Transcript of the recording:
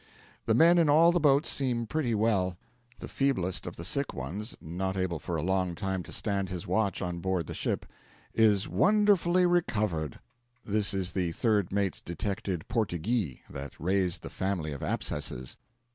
The men in all the boats seem pretty well; the feeblest of the sick ones (not able for a long time to stand his watch on board the ship) 'is wonderfully recovered.' This is the third mate's detected 'Portyghee' that raised the family of abscesses.